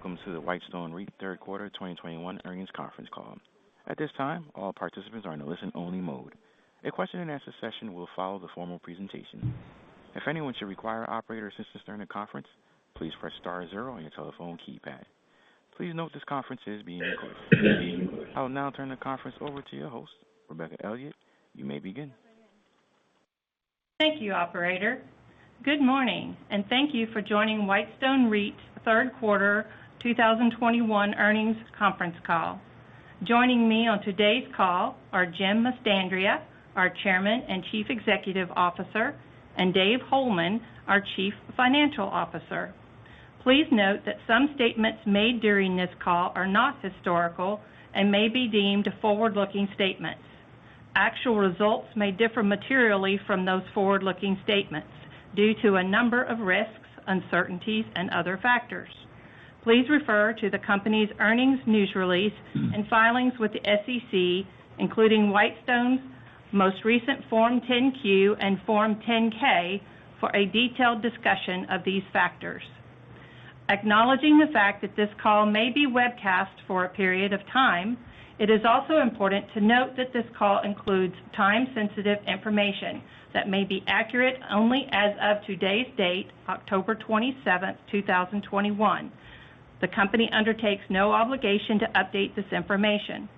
Greetings, and welcome to the Whitestone REIT Third Quarter 2021 Earnings Conference Call. At this time, all participants are in listen only mode. A question-and-answer session will follow the formal presentation. If anyone should require operator assistance during the conference, please press star zero on your telephone keypad. Please note this conference is being recorded. I will now turn the conference over to your host, Rebecca Elliott. You may begin. Thank you, operator. Good morning, and thank you for joining Whitestone REIT's third quarter 2021 earnings conference call. Joining me on today's call are Jim Mastandrea, our Chairman and Chief Executive Officer, and Dave Holeman, our Chief Financial Officer. Please note that some statements made during this call are not historical and may be deemed forward-looking statements. Actual results may differ materially from those forward-looking statements due to a number of risks, uncertainties, and other factors. Please refer to the company's earnings news release and filings with the SEC, including Whitestone's most recent Form 10-Q and Form 10-K, for a detailed discussion of these factors. Acknowledging the fact that this call may be webcast for a period of time, it is also important to note that this call includes time-sensitive information that may be accurate only as of today's date, October 27th, 2021. The company undertakes no obligation to update this information.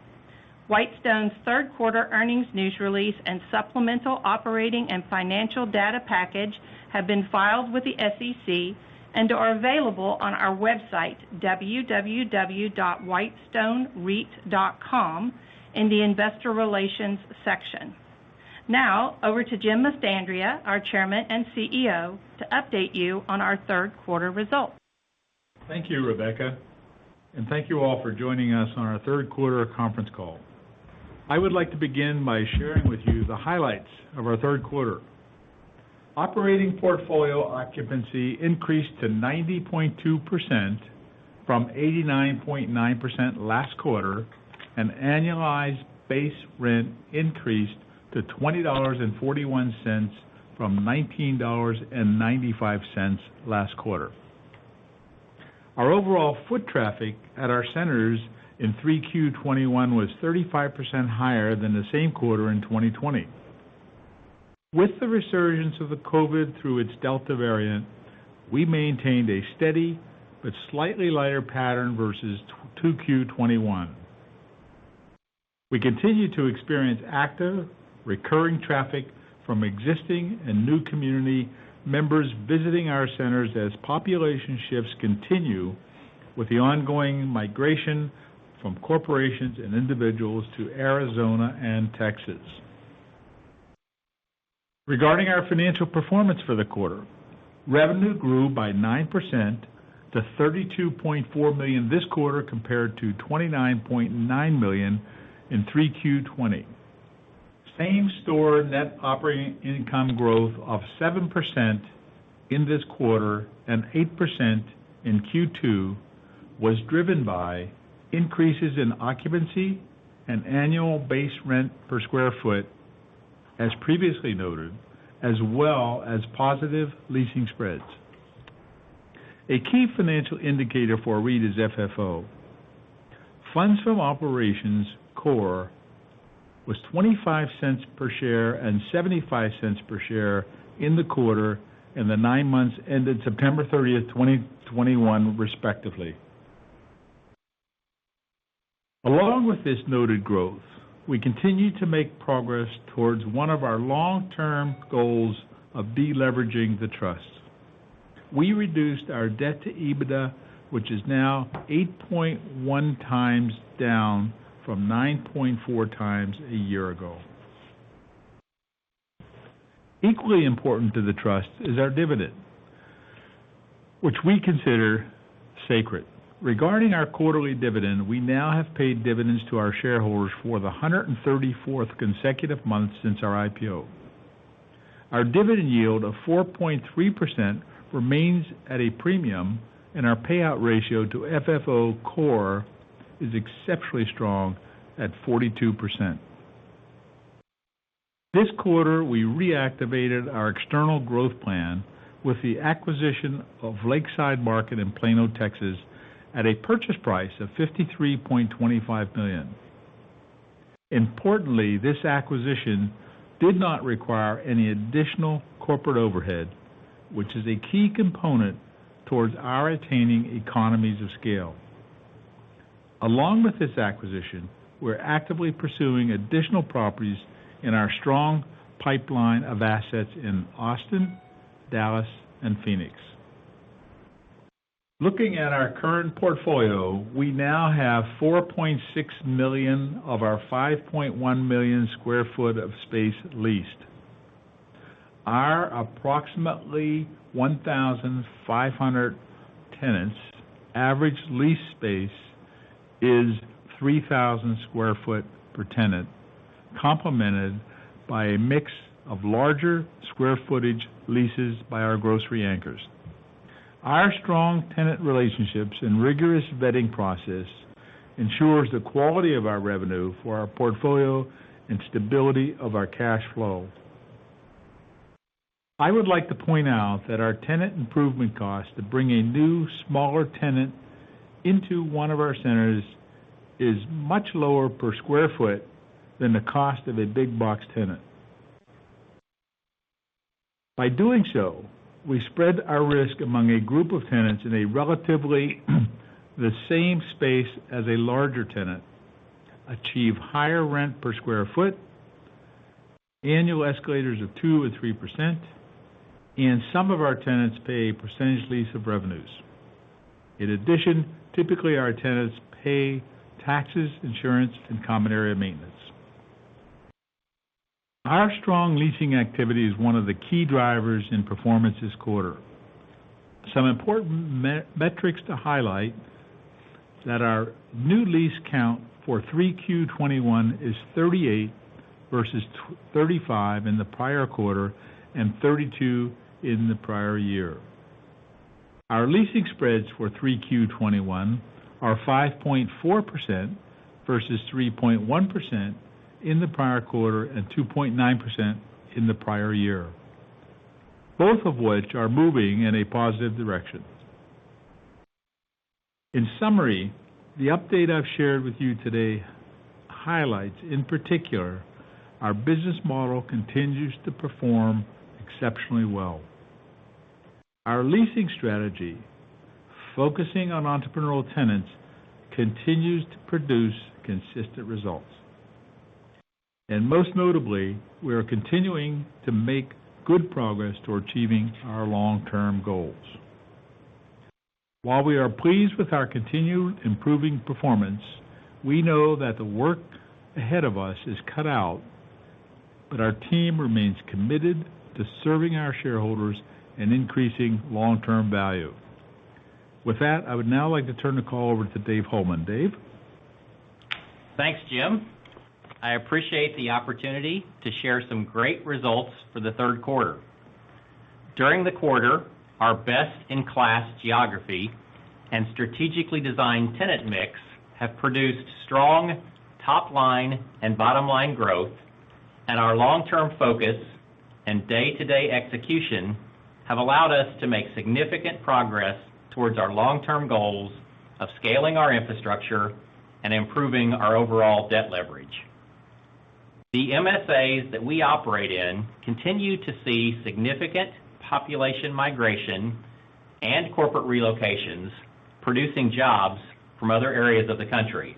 Whitestone's third quarter earnings news release and supplemental operating and financial data package have been filed with the SEC and are available on our website, www.whitestonereit.com, in the investor relations section. Now over to Jim Mastandrea, our Chairman and CEO, to update you on our third quarter results. Thank you, Rebecca, and thank you all for joining us on our third quarter conference call. I would like to begin by sharing with you the highlights of our third quarter. Operating portfolio occupancy increased to 90.2% from 89.9% last quarter, and annualized base rent increased to $20.41 from $19.95 last quarter. Our overall foot traffic at our centers in 3Q 2021 was 35% higher than the same quarter in 2020. With the resurgence of the COVID through its Delta variant, we maintained a steady but slightly lighter pattern versus 2Q 2021. We continue to experience active recurring traffic from existing and new community members visiting our centers as population shifts continue with the ongoing migration from corporations and individuals to Arizona and Texas. Regarding our financial performance for the quarter, revenue grew by 9% to $32.4 million this quarter compared to $29.9 million in 3Q 2020. Same-store net operating income growth of 7% in this quarter and 8% in Q2 was driven by increases in occupancy and annual base rent per square foot as previously noted, as well as positive leasing spreads. A key financial indicator for a REIT is FFO. Funds from operations core was $0.25 per share and $0.75 per share in the quarter and the nine months ended September 30th, 2021, respectively. Along with this noted growth, we continue to make progress towards one of our long-term goals of de-leveraging the trust. We reduced our debt to EBITDA, which is now 8.1x down from 9.4x a year ago. Equally important to the trust is our dividend, which we consider sacred. Regarding our quarterly dividend, we now have paid dividends to our shareholders for the 134th consecutive month since our IPO. Our dividend yield of 4.3% remains at a premium, and our payout ratio to FFO core is exceptionally strong at 42%. This quarter, we reactivated our external growth plan with the acquisition of Lakeside Market in Plano, Texas, at a purchase price of $53.25 million. Importantly, this acquisition did not require any additional corporate overhead, which is a key component towards our attaining economies of scale. Along with this acquisition, we're actively pursuing additional properties in our strong pipeline of assets in Austin, Dallas, and Phoenix. Looking at our current portfolio, we now have 4.6 million of our 5.1 million sq ft of space leased. Our approximately 1,500 tenants average lease space is 3,000 sq ft per tenant, complemented by a mix of larger square footage leases by our grocery anchors. Our strong tenant relationships and rigorous vetting process ensures the quality of our revenue for our portfolio and stability of our cash flow. I would like to point out that our tenant improvement cost to bring a new smaller tenant into one of our centers is much lower per square foot than the cost of a big box tenant. By doing so, we spread our risk among a group of tenants in a relatively the same space as a larger tenant, achieve higher rent per square foot, annual escalators of 2% or 3%, and some of our tenants pay a percentage lease of revenues. In addition, typically, our tenants pay taxes, insurance, and common area maintenance. Our strong leasing activity is one of the key drivers in performance this quarter. Some important metrics to highlight that our new lease count for Q3 2021 is 38 versus 35 in the prior quarter and 32 in the prior year. Our leasing spreads for Q3 2021 are 5.4% versus 3.1% in the prior quarter and 2.9% in the prior year, both of which are moving in a positive direction. In summary, the update I've shared with you today highlights, in particular, our business model continues to perform exceptionally well. Our leasing strategy, focusing on entrepreneurial tenants, continues to produce consistent results. Most notably, we are continuing to make good progress toward achieving our long-term goals. While we are pleased with our continued improving performance, we know that the work ahead of us is cut out, but our team remains committed to serving our shareholders and increasing long-term value. With that, I would now like to turn the call over to Dave Holeman. Dave? Thanks, Jim. I appreciate the opportunity to share some great results for the third quarter. During the quarter, our best-in-class geography and strategically designed tenant mix have produced strong top-line and bottom-line growth, and our long-term focus and day-to-day execution have allowed us to make significant progress towards our long-term goals of scaling our infrastructure and improving our overall debt leverage. The MSAs that we operate in continue to see significant population migration and corporate relocations producing jobs from other areas of the country.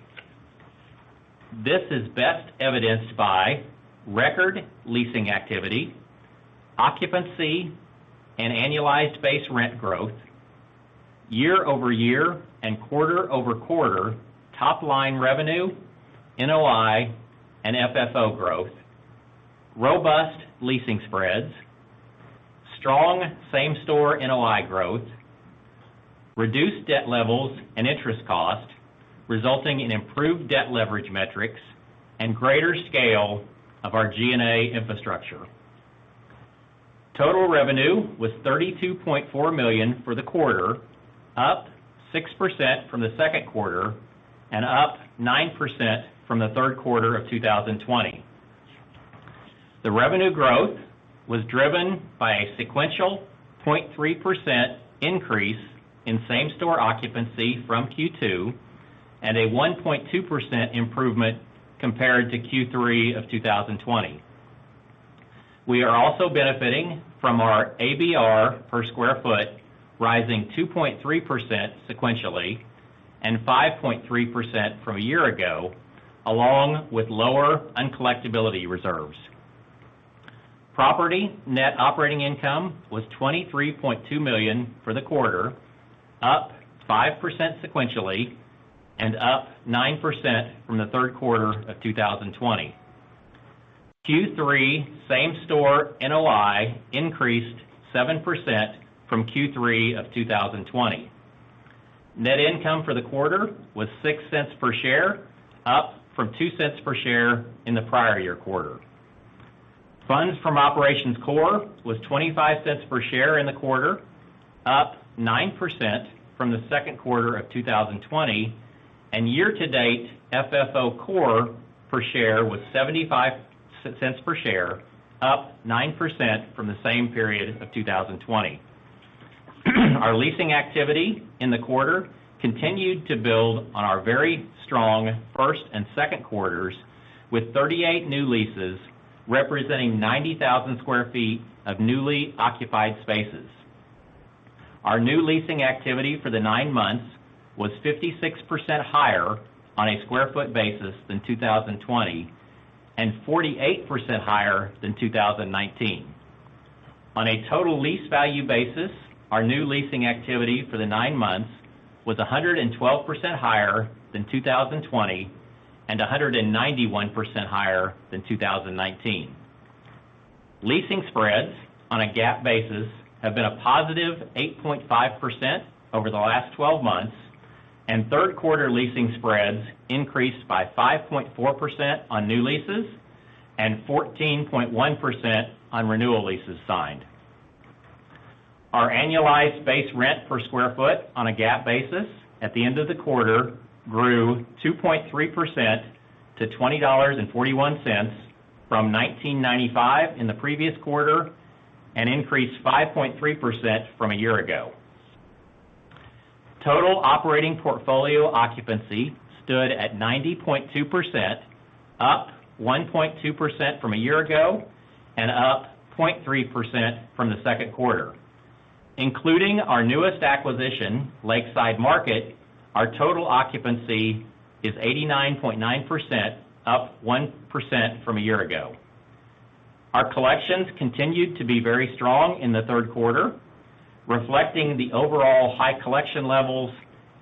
This is best evidenced by record leasing activity, occupancy, and annualized base rent growth, year-over-year and quarter-over-quarter top-line revenue, NOI, and FFO growth, robust leasing spreads, strong same-store NOI growth, reduced debt levels and interest cost, resulting in improved debt leverage metrics, and greater scale of our G&A infrastructure. Total revenue was $32.4 million for the quarter, up 6% from the second quarter and up 9% from the third quarter of 2020. The revenue growth was driven by a sequential 0.3% increase in same-store occupancy from Q2 and a 1.2% improvement compared to Q3 of 2020. We are also benefiting from our ABR per square foot rising 2.3% sequentially and 5.3% from a year ago, along with lower uncollectibility reserves. Property net operating income was $23.2 million for the quarter, up 5% sequentially and up 9% from the third quarter of 2020. Q3 same-store NOI increased 7% from Q3 of 2020. Net income for the quarter was $0.06 per share, up from $0.02 per share in the prior year quarter. Funds from operations core was $0.25 per share in the quarter, up 9% from the second quarter of 2020, and year-to-date FFO core per share was $0.75 per share, up 9% from the same period of 2020. Our leasing activity in the quarter continued to build on our very strong first and second quarters with 38 new leases representing 90,000 sq ft of newly occupied spaces. Our new leasing activity for the nine months was 56% higher on a square foot basis than 2020 and 48% higher than 2019. On a total lease value basis, our new leasing activity for the nine months was 112% higher than 2020 and 191% higher than 2019. Leasing spreads on a GAAP basis have been a +8.5% over the last 12 months, and third quarter leasing spreads increased by 5.4% on new leases and 14.1% on renewal leases signed. Our annualized base rent per square foot on a GAAP basis at the end of the quarter grew 2.3% to $20.41 from $19.95 in the previous quarter, and increased 5.3% from a year ago. Total operating portfolio occupancy stood at 90.2%, up 1.2% from a year ago, and up 0.3% from the second quarter. Including our newest acquisition, Lakeside Market, our total occupancy is 89.9%, up 1% from a year ago. Our collections continued to be very strong in the third quarter, reflecting the overall high collection levels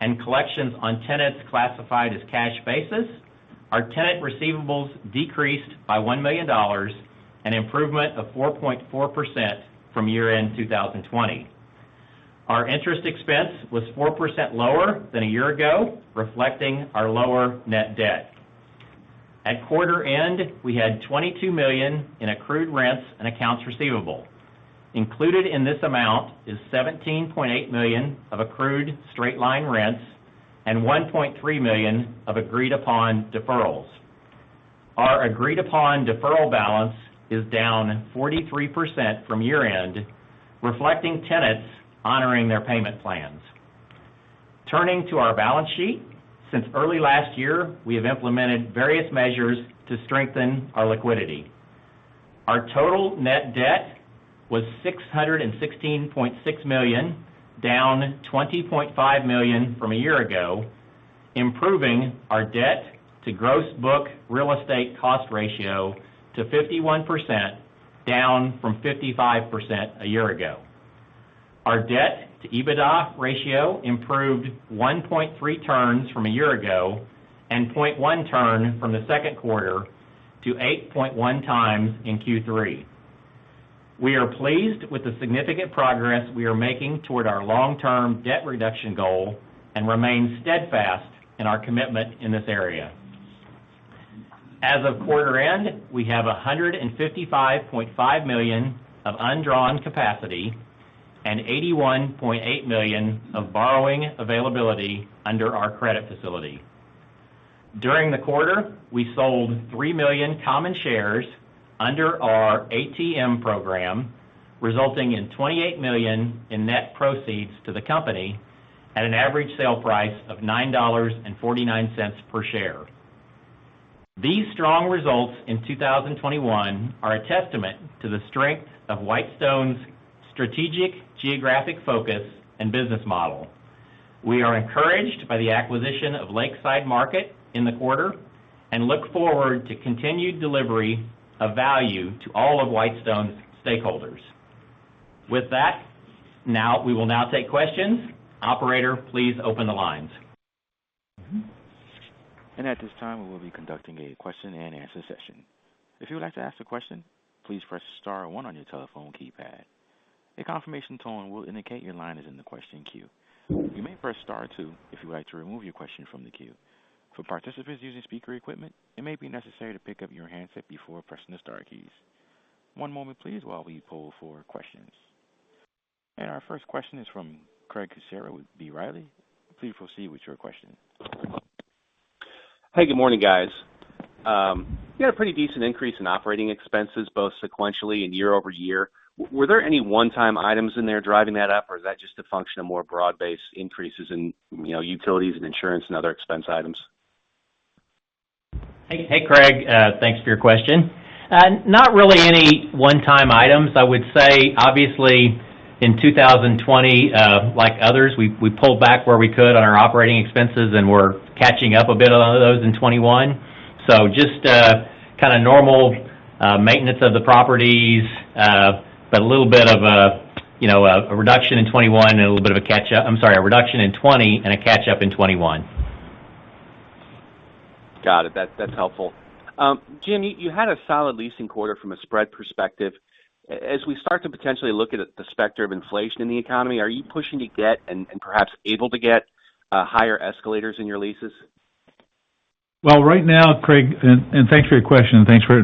and collections on tenants classified as cash basis. Our tenant receivables decreased by $1 million, an improvement of 4.4% from year-end 2020. Our interest expense was 4% lower than a year ago, reflecting our lower net debt. At quarter end, we had $22 million in accrued rents and accounts receivable. Included in this amount is $17.8 million of accrued straight line rents and $1.3 million of agreed-upon deferrals. Our agreed-upon deferral balance is down 43% from year-end, reflecting tenants honoring their payment plans. Turning to our balance sheet, since early last year, we have implemented various measures to strengthen our liquidity. Our total net debt was $616.6 million, down $20.5 million from a year ago, improving our debt to gross book real estate cost ratio to 51%, down from 55% a year ago. Our debt-to-EBITDA ratio improved 1.3 turns from a year ago, and 0.1 turn from the second quarter to 8.1x in Q3. We are pleased with the significant progress we are making toward our long-term debt reduction goal and remain steadfast in our commitment in this area. As of quarter end, we have $155.5 million of undrawn capacity and $81.8 million of borrowing availability under our credit facility. During the quarter, we sold 3 million common shares under our ATM program, resulting in $28 million in net proceeds to the company at an average sale price of $9.49 per share. These strong results in 2021 are a testament to the strength of Whitestone's strategic geographic focus and business model. We are encouraged by the acquisition of Lakeside Market in the quarter and look forward to continued delivery of value to all of Whitestone's stakeholders. With that, we will now take questions. Operator, please open the lines. At this time, we will be conducting a question-and-answer session. If you would like to ask a question, please press star one on your telephone keypad. A confirmation tone will indicate your line is in the question queue. You may press star two if you would like to remove your question from the queue. For participants using speaker equipment, it may be necessary to pick up your handset before pressing the star keys. One moment, please, while we poll for questions. Our first question is from Craig Kucera with B. Riley. Please proceed with your question. Hey, good morning, guys. You had a pretty decent increase in operating expenses, both sequentially and year-over-year. Were there any one-time items in there driving that up, or is that just a function of more broad-based increases in, you know, utilities and insurance and other expense items? Hey, Craig. Thanks for your question. Not really any one-time items. I would say, obviously, in 2020, like others, we pulled back where we could on our operating expenses, and we're catching up a bit on those in 2021. Just kinda normal maintenance of the properties, but a little bit of a, you know, I'm sorry, a reduction in 2020 and a catch-up in 2021. Got it. That's helpful. Jim, you had a solid leasing quarter from a spread perspective. As we start to potentially look at the specter of inflation in the economy, are you pushing to get, and perhaps able to get, higher escalators in your leases? Well, right now, Craig, thanks for your question. Thanks for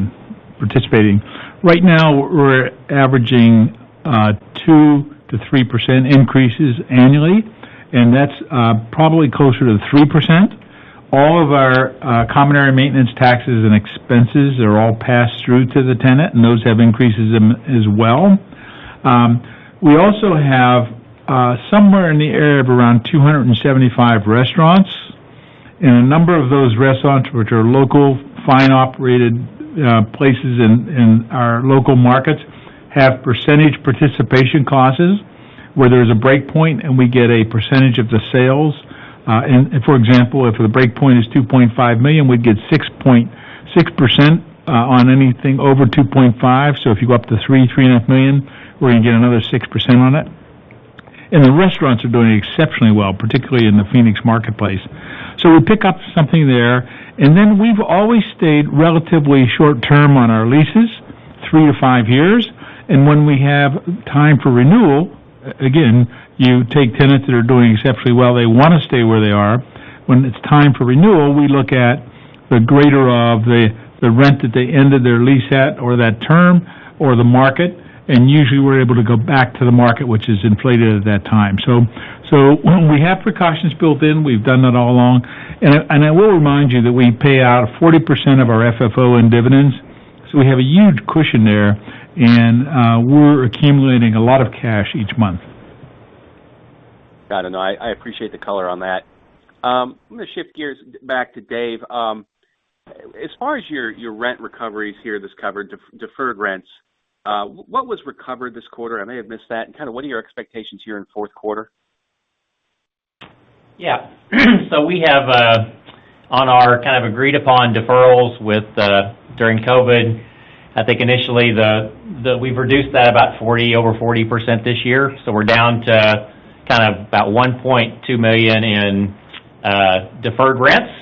participating. Right now, we're averaging 2%-3% increases annually, and that's probably closer to the 3%. All of our common area maintenance taxes and expenses are all passed through to the tenant, and those have increases as well. We also have somewhere in the area of around 275 restaurants, and a number of those restaurants, which are local, fine operated places in our local markets, have percentage participation clauses where there's a break point, and we get a percentage of the sales. For example, if the break point is $2.5 million, we'd get 6.6% on anything over $2.5 million. If you go up to $3 million-$3.5 million, we're gonna get another 6% on it. The restaurants are doing exceptionally well, particularly in the Phoenix marketplace. We pick up something there. We've always stayed relatively short term on our leases. Three-five years. When we have time for renewal, again, you take tenants that are doing exceptionally well, they wanna stay where they are. When it's time for renewal, we look at the greater of the rent that they ended their lease at or that term or the market, and usually we're able to go back to the market, which is inflated at that time. We have precautions built in. We've done that all along. I will remind you that we pay out 40% of our FFO in dividends, so we have a huge cushion there, and we're accumulating a lot of cash each month. Got it. No, I appreciate the color on that. I'm gonna shift gears back to Dave. As far as your rent recoveries here, this covered deferred rents, what was recovered this quarter? I may have missed that. Kinda what are your expectations here in fourth quarter? Yeah. We have on our kind of agreed upon deferrals with during COVID. I think initially we've reduced that about 40%, over 40% this year, so we're down to kind of about $1.2 million in deferred rents,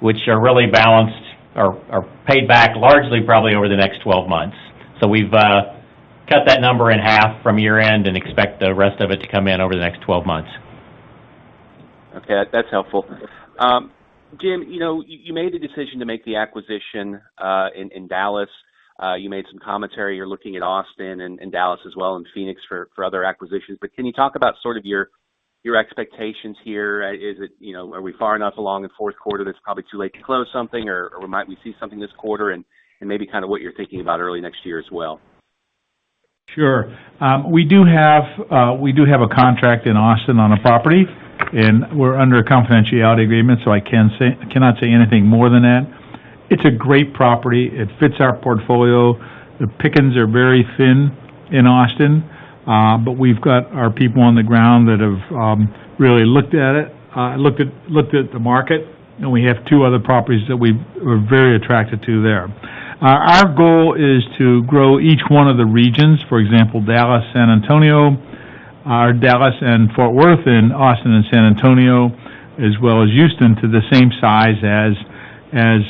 which are really balanced or paid back largely probably over the next 12 months. We've cut that number in half from year-end and expect the rest of it to come in over the next 12 months. Okay. That's helpful. Jim, you know, you made the decision to make the acquisition in Dallas. You made some commentary. You're looking at Austin and Dallas as well, and Phoenix for other acquisitions. Can you talk about sort of your expectations here? Is it, you know, are we far enough along in fourth quarter that it's probably too late to close something or might we see something this quarter and maybe kind of what you're thinking about early next year as well? Sure. We do have a contract in Austin on a property, and we're under a confidentiality agreement, so I can't say anything more than that. It's a great property. It fits our portfolio. The pickings are very thin in Austin, but we've got our people on the ground that have really looked at it, looked at the market. We have two other properties we're very attracted to there. Our goal is to grow each one of the regions, for example, Dallas, San Antonio, Dallas and Fort Worth, and Austin and San Antonio, as well as Houston, to the same size as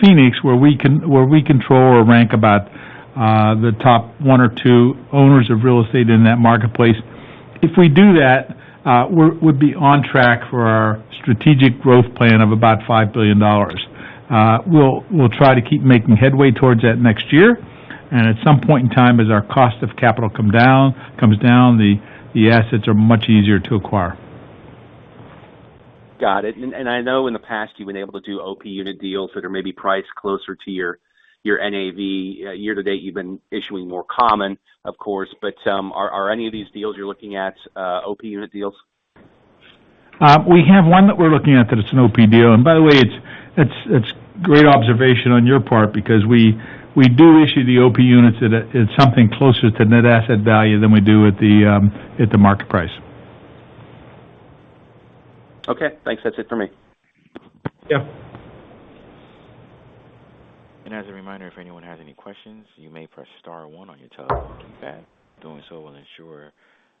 Phoenix, where we control or rank about the top one or two owners of real estate in that marketplace. If we do that, we'd be on track for our strategic growth plan of about $5 billion. We'll try to keep making headway towards that next year. At some point in time, as our cost of capital comes down, the assets are much easier to acquire. Got it. I know in the past you've been able to do OP unit deals that are maybe priced closer to your NAV. Year-to-date, you've been issuing more common, of course, but are any of these deals you're looking at OP unit deals? We have one that we're looking at that it's an OP deal. By the way, it's a great observation on your part because we do issue the OP units at something closer to net asset value than we do at the market price. Okay. Thanks. That's it for me. Yeah. As a reminder, if anyone has any questions, you may press star one on your telephone keypad. Doing so will ensure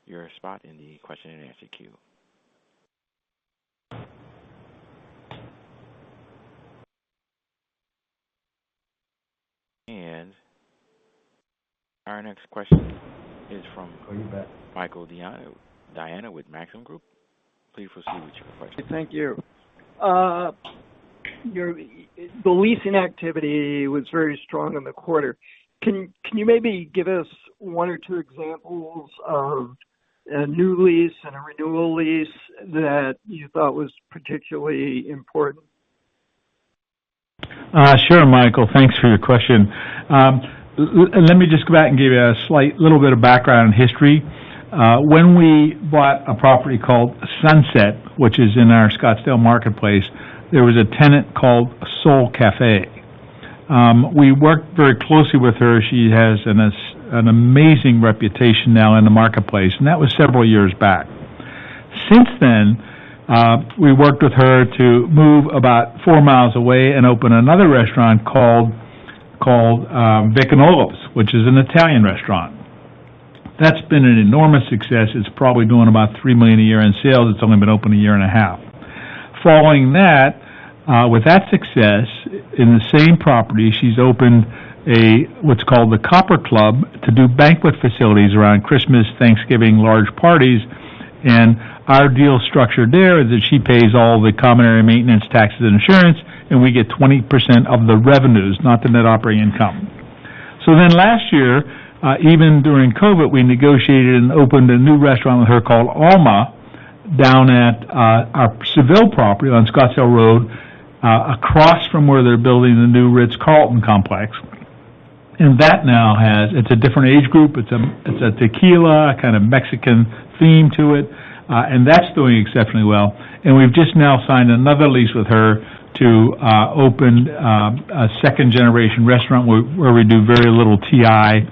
your spot in the question-and-answer queue. Our next question is from Michael Diana with Maxim Group. Please proceed with your question. Thank you. The leasing activity was very strong in the quarter. Can you maybe give us one or two examples of a new lease and a renewal lease that you thought was particularly important? Sure, Michael, thanks for your question. Let me just go back and give you a slight little bit of background history. When we bought a property called Sunset, which is in our Scottsdale marketplace, there was a tenant called Soul Café. We worked very closely with her. She has an amazing reputation now in the marketplace, and that was several years back. Since then, we worked with her to move about four miles away and open another restaurant called Vic & Ola's, which is an Italian restaurant. That's been an enormous success. It's probably doing about $3 million a year in sales. It's only been open a year and a half. Following that, with that success in the same property, she's opened what's called the Copper Club to do banquet facilities around Christmas, Thanksgiving, large parties. Our deal structure there is that she pays all the common area maintenance taxes and insurance, and we get 20% of the revenues, not the net operating income. Last year, even during COVID, we negotiated and opened a new restaurant with her called Alma, down at our Scottsdale Seville property on Scottsdale Road, across from where they're building the new Ritz-Carlton complex. That now has a different age group. It's a tequila, a kind of Mexican theme to it, and that's doing exceptionally well. We've just now signed another lease with her to open a second-generation restaurant where we do very little TI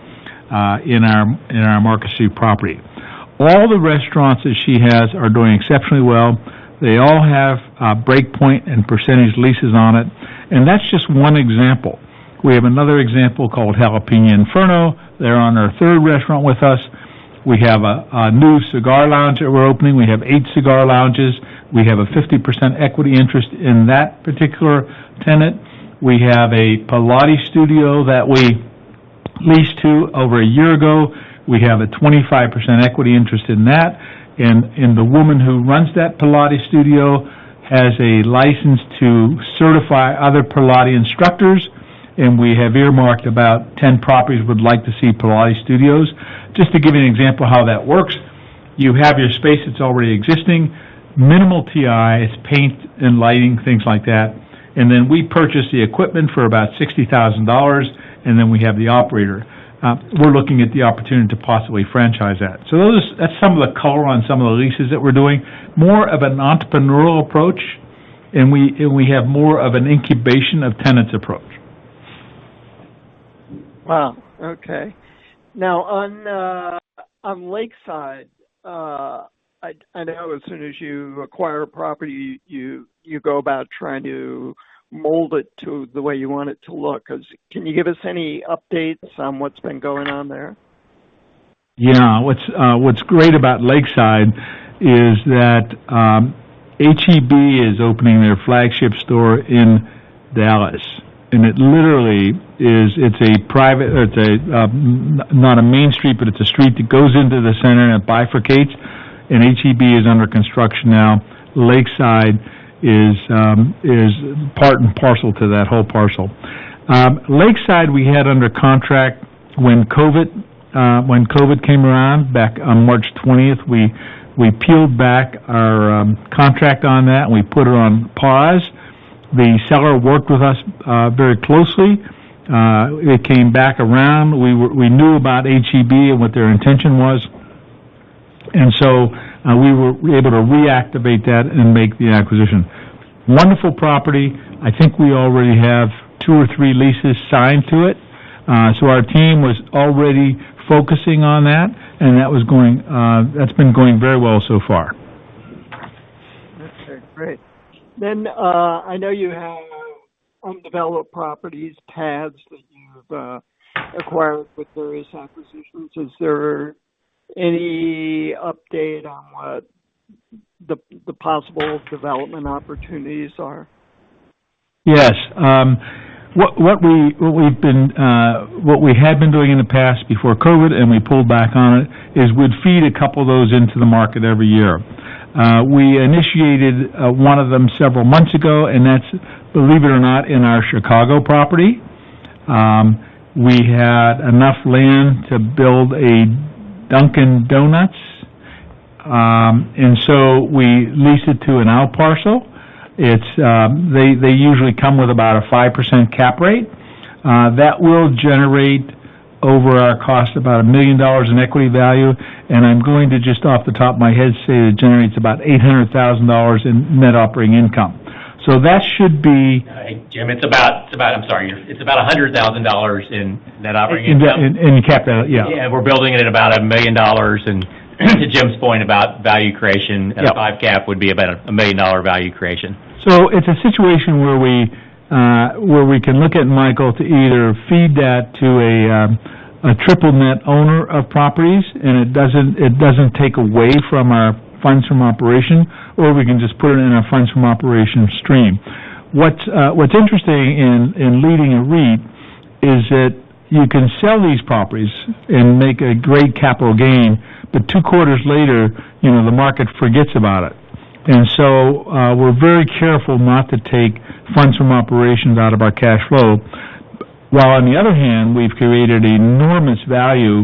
in our The Mercado at Scottsdale Ranch property. All the restaurants that she has are doing exceptionally well. They all have break point and percentage leases on it. That's just one example. We have another example called Jalapeño Inferno. They're opening their third restaurant with us. We have a new cigar lounge that we're opening. We have eight cigar lounges. We have a 50% equity interest in that particular tenant. We have a Pilates studio that we leased to over a year ago. We have a 25% equity interest in that. The woman who runs that Pilates studio has a license to certify other Pilates instructors, and we have earmarked about 10 properties we would like to see Pilates studios. Just to give you an example of how that works, you have your space that's already existing. Minimal TI, it's paint and lighting, things like that. Then we purchase the equipment for about $60,000, and then we have the operator. We're looking at the opportunity to possibly franchise that. Those are. That's some of the color on some of the leases that we're doing. More of an entrepreneurial approach, and we have more of an incubation of tenants approach. Wow. Okay. Now on Lakeside, I know as soon as you acquire a property, you go about trying to mold it to the way you want it to look. Can you give us any updates on what's been going on there? Yeah. What's great about Lakeside is that H-E-B is opening their flagship store in Dallas, and it literally is. It's not a main street, but it's a street that goes into the center and it bifurcates. H-E-B is under construction now. Lakeside is part and parcel to that whole parcel. Lakeside, we had under contract when COVID came around back on March 20th. We peeled back our contract on that, and we put it on pause. The seller worked with us very closely. It came back around. We knew about H-E-B and what their intention was. We were able to reactivate that and make the acquisition. Wonderful property. I think we already have two or three leases signed to it. Our team was already focusing on that, and that's been going very well so far. That's great. I know you have undeveloped properties, pads that you've acquired with various acquisitions. Is there any update on what the possible development opportunities are? Yes. What we had been doing in the past before COVID, and we pulled back on it, is we'd feed a couple of those into the market every year. We initiated one of them several months ago, and that's, believe it or not, in our Chicago property. We had enough land to build a Dunkin', and so we leased it to an out parcel. They usually come with about a 5% cap rate. That will generate over our cost about $1 million in equity value, and I'm going to just off the top of my head say it generates about $800,000 in net operating income. That should be- Jim, I'm sorry. It's about $100,000 in net operating income. In capital. Yeah. Yeah, we're building it at about $1 million. To Jim's point about value creation. Yeah. At a 5% cap would be about a million-dollar value creation. It's a situation where we can look at, Michael, to either feed that to a triple net owner of properties, and it doesn't take away from our funds from operations, or we can just put it in our funds from operations stream. What's interesting in leading a REIT is that you can sell these properties and make a great capital gain, but two quarters later, you know, the market forgets about it. We're very careful not to take funds from operations out of our cash flow. While on the other hand, we've created enormous value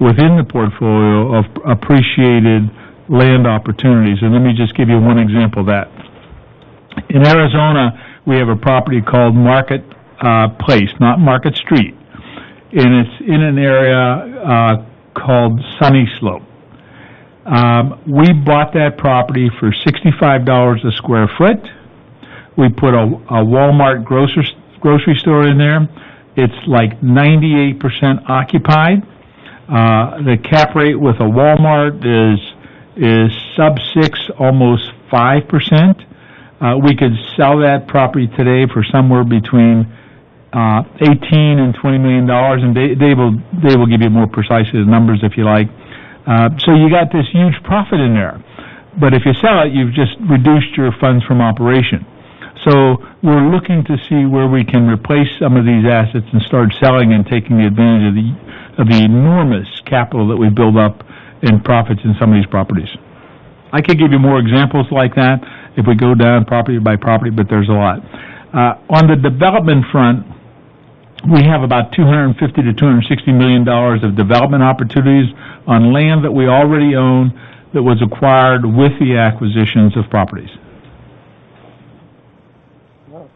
within the portfolio of appreciated land opportunities. Let me just give you one example of that. In Arizona, we have a property called Marketplace, not Market Street, and it's in an area called Sunnyslope. We bought that property for $65 a sq ft. We put a Walmart grocery store in there. It's like 98% occupied. The cap rate with a Walmart is sub-6%, almost 5%. We could sell that property today for somewhere between $18 million and $20 million, and Dave will give you more precise numbers if you like. You got this huge profit in there. If you sell it, you've just reduced your funds from operation. We're looking to see where we can replace some of these assets and start selling and taking advantage of the enormous capital that we build up in profits in some of these properties. I could give you more examples like that if we go down property by property, but there's a lot. On the development front, we have about $250 million-$260 million of development opportunities on land that we already own that was acquired with the acquisitions of properties. Well,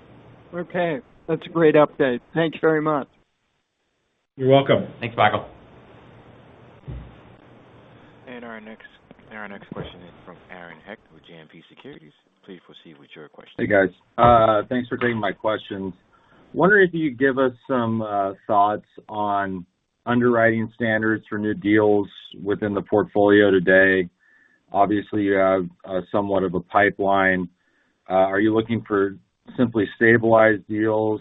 okay. That's a great update. Thank you very much. You're welcome. Thanks, Michael. Our next question is from Aaron Hecht with JMP Securities. Please proceed with your question. Hey, guys. Thanks for taking my questions. Wondering if you could give us some thoughts on underwriting standards for new deals within the portfolio today. Obviously, you have somewhat of a pipeline. Are you looking for simply stabilized deals?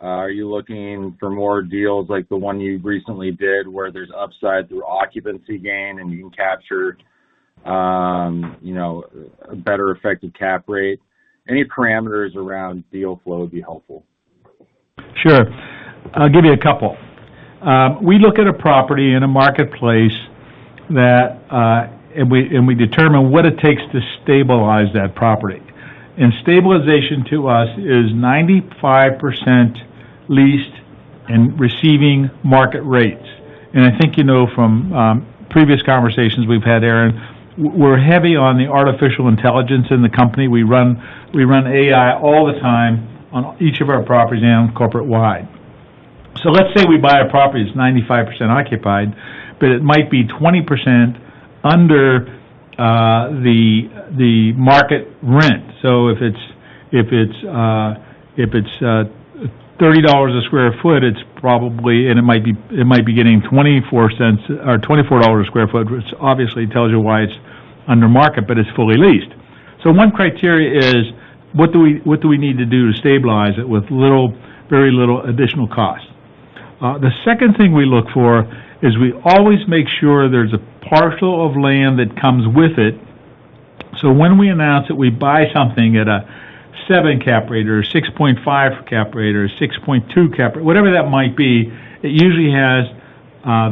Are you looking for more deals like the one you recently did where there's upside through occupancy gain and you can capture a better effective cap rate? Any parameters around deal flow would be helpful. Sure. I'll give you a couple. We look at a property in a marketplace that and we determine what it takes to stabilize that property. Stabilization to us is 95% leased and receiving market rates. I think you know from previous conversations we've had, Aaron, we're heavy on the artificial intelligence in the company. We run AI all the time on each of our properties and corporate-wide. Let's say we buy a property that's 95% occupied, but it might be 20% under the market rent. If it's $30 a sq ft, it's probably $24 a sq ft, which obviously tells you why it's under market, but it's fully leased. One criteria is, what do we need to do to stabilize it with little, very little additional cost? The second thing we look for is we always make sure there's a parcel of land that comes with it. When we announce that we buy something at a 7% cap rate or a 6.5% cap rate or a 6.2% cap rate, whatever that might be, it usually has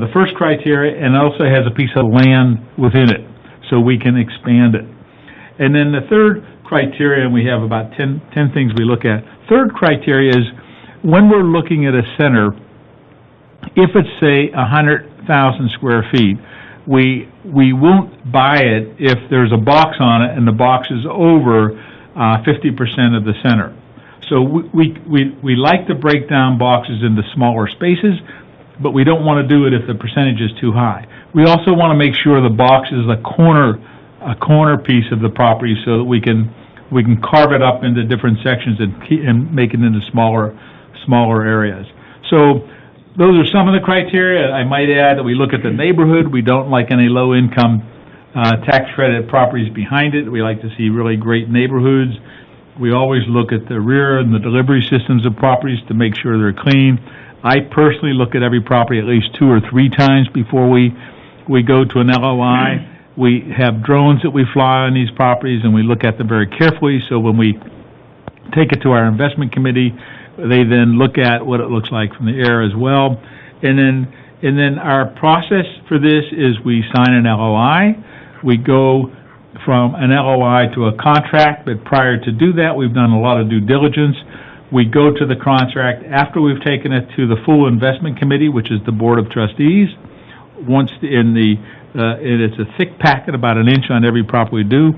the first criteria, and it also has a piece of land within it, so we can expand it. We have about ten things we look at. Third criteria is when we're looking at a center, if it's, say, 100,000 sq ft, we won't buy it if there's a box on it and the box is over 50% of the center. We like to break down boxes into smaller spaces, but we don't wanna do it if the percentage is too high. We also wanna make sure the box is a corner piece of the property so that we can carve it up into different sections and make it into smaller areas. Those are some of the criteria. I might add that we look at the neighborhood. We don't like any low-income, tax-credit properties behind it. We like to see really great neighborhoods. We always look at the rear and the delivery systems of properties to make sure they're clean. I personally look at every property at least two or three times before we go to an LOI. We have drones that we fly on these properties, and we look at them very carefully. When we take it to our investment committee, they then look at what it looks like from the air as well. Our process for this is we sign an LOI. We go from an LOI to a contract, but prior to do that, we've done a lot of due diligence. We go to the contract after we've taken it to the full investment committee, which is the board of trustees. It's a thick packet, about an inch on every property we do.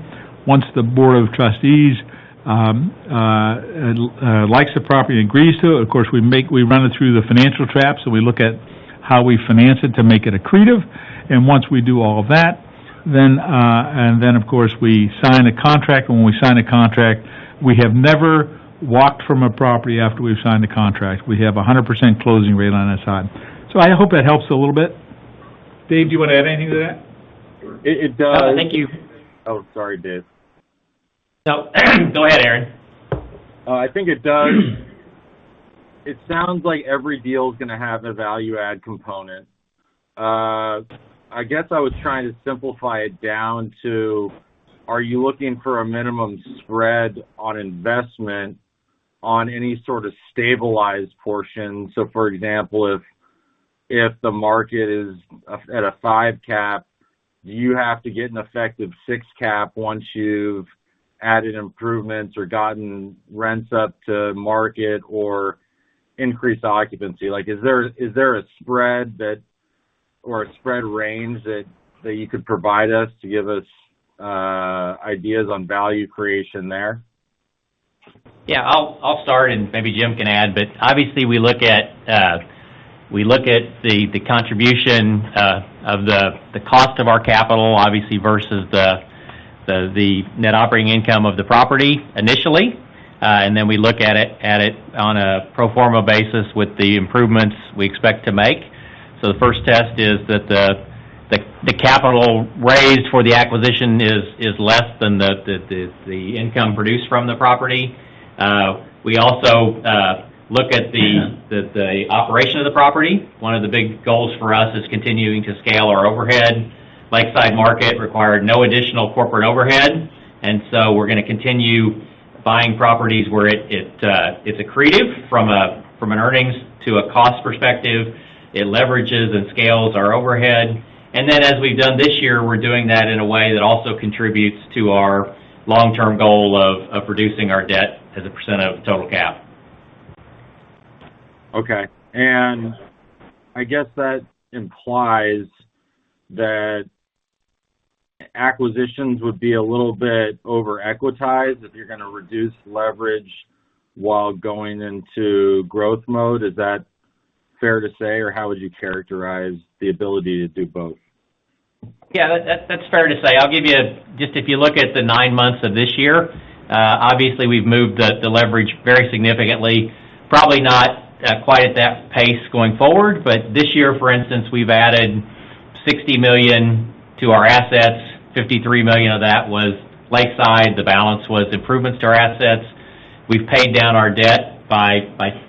Once the board of trustees likes the property and agrees to it, of course, we run it through the financial tests, so we look at how we finance it to make it accretive. Once we do all of that, of course, we sign a contract. When we sign a contract, we have never walked from a property after we've signed a contract. We have a 100% closing rate on our side. I hope that helps a little bit. Dave, do you wanna add anything to that? It does. Thank you. Oh, sorry, Dave. No, go ahead, Aaron. I think it does. It sounds like every deal is gonna have a value-add component. I guess I was trying to simplify it down to, are you looking for a minimum spread on investment on any sort of stabilized portion? So for example, if the market is at a 5% cap, do you have to get an effective 6% cap once you've added improvements or gotten rents up to market or increased the occupancy? Like is there a spread that or a spread range that you could provide us to give us ideas on value creation there? Yeah. I'll start. Maybe Jim can add. Obviously we look at the contribution of the cost of our capital obviously versus the net operating income of the property initially. Then we look at it on a pro forma basis with the improvements we expect to make. The first test is that the capital raised for the acquisition is less than the income produced from the property. We also look at the- Mm-hmm. The operation of the property. One of the big goals for us is continuing to scale our overhead. Lakeside Market required no additional corporate overhead, and so we're gonna continue buying properties where it's accretive from an earnings to a cost perspective. It leverages and scales our overhead. As we've done this year, we're doing that in a way that also contributes to our long-term goal of reducing our debt as a percent of total cap. Okay. I guess that implies that acquisitions would be a little bit over equitized if you're gonna reduce leverage while going into growth mode. Is that fair to say? Or how would you characterize the ability to do both? Yeah, that's fair to say. I'll give you just if you look at the nine months of this year, obviously we've moved the leverage very significantly. Probably not quite at that pace going forward, but this year, for instance, we've added $60 million to our assets. $53 million of that was Lakeside, the balance was improvements to our assets. We've paid down our debt by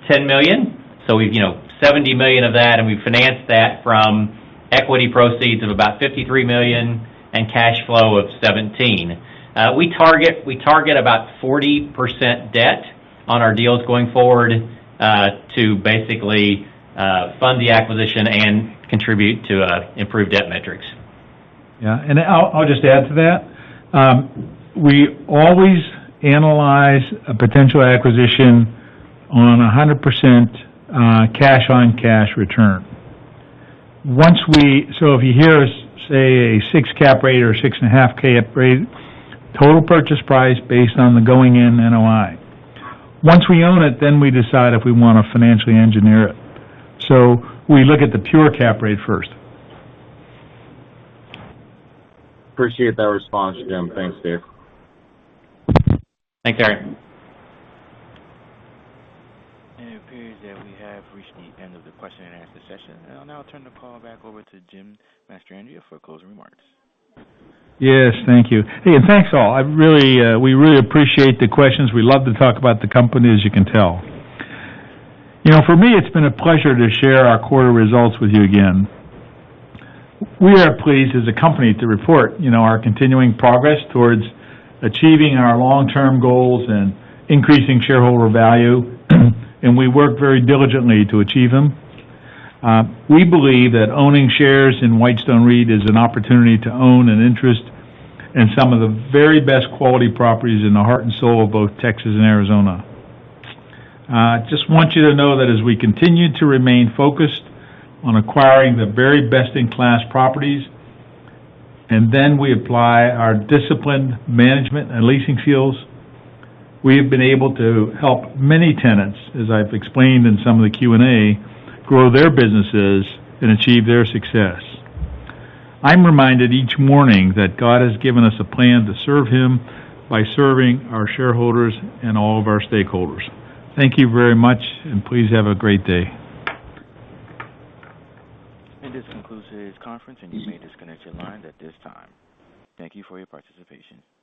$10 million. We've $70 million of that, and we've financed that from equity proceeds of about $53 million and cash flow of $17 million. We target about 40% debt on our deals going forward, to basically fund the acquisition and contribute to improved debt metrics. Yeah. I'll just add to that. We always analyze a potential acquisition on 100% cash on cash return. If you hear us say 6% cap rate or 6.5% cap rate, total purchase price based on the going-in NOI. Once we own it, then we decide if we wanna financially engineer it. We look at the pure cap rate first. Appreciate that response, Jim. Thanks, Dave. Thanks, Aaron. It appears that we have reached the end of the question-and-answer session. I'll now turn the call back over to Jim Mastandrea for closing remarks. Yes, thank you. Hey, thanks all. We really appreciate the questions. We love to talk about the company, as you can tell. You know, for me, it's been a pleasure to share our quarter results with you again. We are pleased as a company to report our continuing progress towards achieving our long-term goals and increasing shareholder value, and we work very diligently to achieve them. We believe that owning shares in Whitestone REIT is an opportunity to own an interest in some of the very best quality properties in the heart and soul of both Texas and Arizona. Just want you to know that as we continue to remain focused on acquiring the very best-in-class properties, and then we apply our disciplined management and leasing skills, we have been able to help many tenants, as I've explained in some of the Q&A, grow their businesses and achieve their success. I'm reminded each morning that God has given us a plan to serve him by serving our shareholders and all of our stakeholders. Thank you very much, and please have a great day. This concludes today's conference, and you may disconnect your lines at this time. Thank you for your participation.